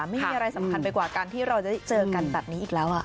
ไม่มีอะไรสำคัญไปกว่าการที่เราจะได้เจอกันแบบนี้อีกแล้ว